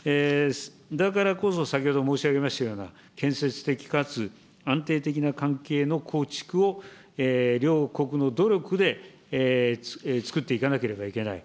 だからこそ、先ほど申し上げましたような建設的かつ安定的な関係の構築を、両国の努力でつくっていかなければいけない。